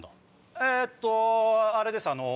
えっとあれですあの。